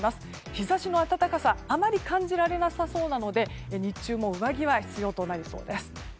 日差しの暖かさあまり感じられなさそうなので日中も上着は必要となりそうです。